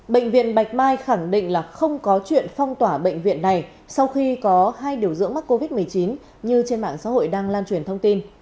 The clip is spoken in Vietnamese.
bệnh viện bạch mai khẳng định là không có chuyện phong tỏa bệnh viện này sau khi có hai điều dưỡng mắc covid một mươi chín như trên mạng xã hội đang lan truyền thông tin